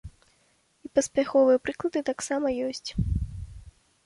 І паспяховыя прыклады таксама ёсць.